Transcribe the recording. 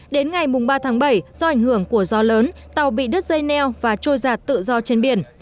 đến ngày ba tháng bảy do ảnh hưởng của gió lớn tàu bị đứt dây neo và trôi giặt tự do trên biển